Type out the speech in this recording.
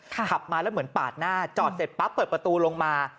ขับมาแล้วเหมือนปาดหน้าจอดเสร็จปั๊บเปิดประตูลงมา